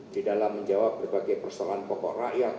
di dalam menjawab berbagai persoalan pokok rakyat